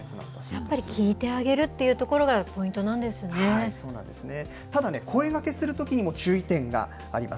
やっぱり聞いてあげるっていうところがポイントなんですね。